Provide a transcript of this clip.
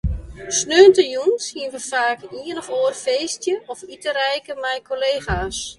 Sneontejûns hiene we faak ien of oar feestje of iterijke mei kollega's.